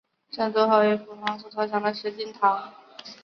奉圣都虞候王景以所部投降石敬瑭。